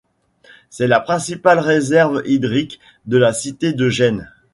C’est la principale réserve hydrique de la cité de Gênes.